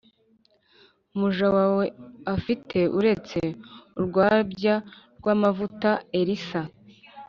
Umuja wawe afite uretse urwabya rw amavuta elisa